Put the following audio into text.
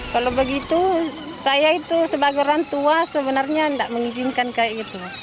kalau begitu saya itu sebagai orang tua sebenarnya tidak mengizinkan kayak gitu